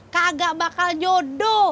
kagak bakal jodoh